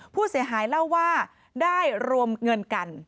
ผู้เสียหายเล่าว่าได้รวมเงินกัน